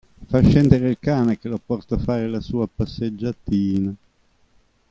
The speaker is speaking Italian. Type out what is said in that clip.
Fa scendere il cane che lo porto a fare la sua passeggiatina.